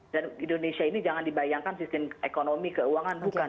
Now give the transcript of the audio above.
dan indonesia ini jangan dibayangkan sistem ekonomi keuangan bukan